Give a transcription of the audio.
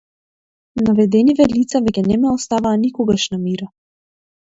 Наведениве лица веќе не ме оставаа никогаш на мира.